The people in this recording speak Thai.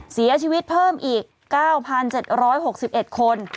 เสียชีวิตเพิ่มอีก๙๗๖๑คน